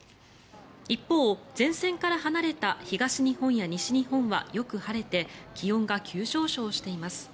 一方、前線から離れた東日本や西日本はよく晴れて気温が急上昇しています。